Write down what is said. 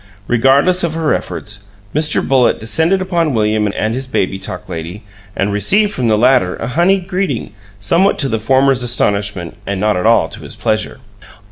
Regardless of her efforts, Mr. Bullitt descended upon William and his Baby Talk Lady, and received from the latter a honeyed greeting, somewhat to the former's astonishment and not at all to his pleasure.